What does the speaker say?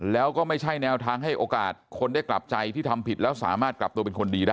แล้วก็ไม่ใช่แนวทางให้โอกาสคนได้กลับใจที่ทำผิดแล้วสามารถกลับตัวเป็นคนดีได้